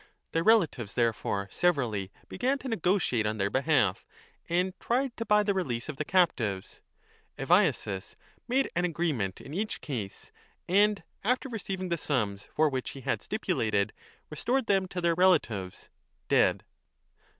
Their relatives therefore severally began to negotiate on their behalf and tried to buy the release of the captives. Evaeses made an agree BOOK II. 2 1352* ment in each case and, after receiving the sums for which 15 he had stipulated, restored them to their relatives dead.